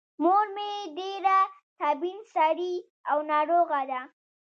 مور مې ډېره سبین سرې او ناروغه ده.